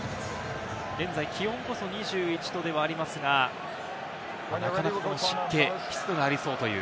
現在、気温こそ２１度ではありますが、なかなか湿気、湿度がありそうという。